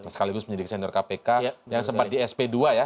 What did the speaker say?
sekaligus penyidik senior kpk yang sempat di sp dua ya